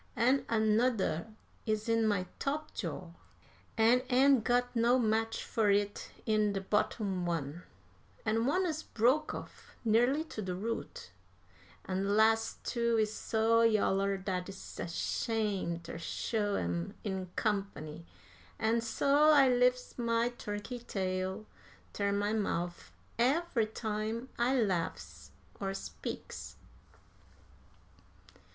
An' anudder is in my top jaw, an' ain't got no match fur it in de bottom one; an' one is broke off nearly to de root; an' de las' two is so yaller dat I's ashamed ter show 'em in company, an' so I lif's my turkey tail ter my mouf every time I laughs or speaks."